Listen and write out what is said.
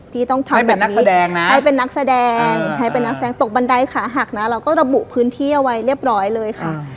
พี่ต้องทำแบบนี้ให้เป็นนักแสดงให้เป็นนักแสดงตกบันไดขาหักนะเราก็ระบุพื้นที่เอาไว้เรียบร้อยเลยค่ะ